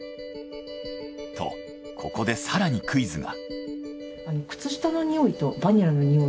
とここで更にクイズが。